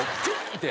って。